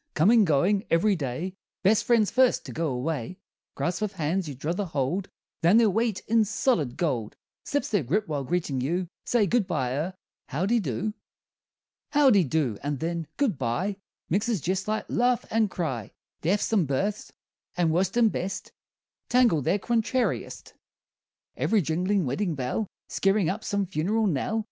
Comin' goin' every day Best friends first to go away Grasp of hands you druther hold Than their weight in solid gold, Slips their grip while greetin' you. Say good bye er howdy do? Howdy do, and then, good bye Mixes jest like laugh and cry; Deaths and births, and worst and best Tangled their contrariest; Ev'ry jinglin' weddin' bell Skeerin' up some funeral knell.